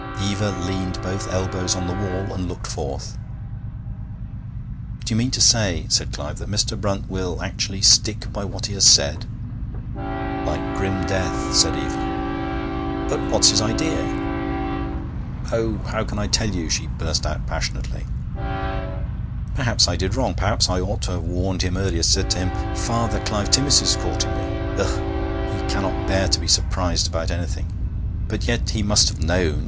Eva leaned both elbows on the wall and looked forth. 'Do you mean to say,' said Clive, 'that Mr. Brunt will actually stick by what he has said?' 'Like grim death,' said Eva. 'But what's his idea?' 'Oh! how can I tell you?' she burst out passionately. 'Perhaps I did wrong. Perhaps I ought to have warned him earlier said to him, "Father, Clive Timmis is courting me!" Ugh! He cannot bear to be surprised about anything. But yet he must have known....